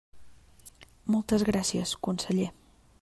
Moltes gràcies, conseller.